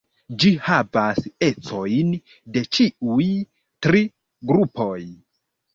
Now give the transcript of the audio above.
Ĝi havas ecojn de ĉiuj tri grupoj.